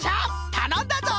たのんだぞ！